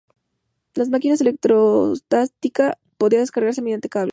La máquina electrostática podía descargarse mediante cables.